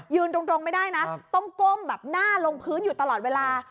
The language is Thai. ตรงไม่ได้นะต้องก้มแบบหน้าลงพื้นอยู่ตลอดเวลา